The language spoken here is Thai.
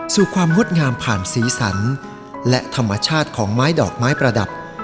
ความงดงามผ่านสีสันและธรรมชาติของไม้ดอกไม้ประดับ